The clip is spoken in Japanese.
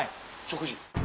食事。